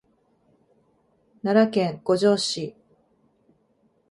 奈良県五條市